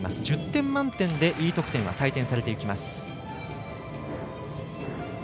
１０点満点でＥ得点は採点されていきます。